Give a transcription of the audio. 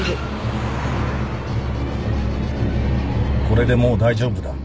これでもう大丈夫だ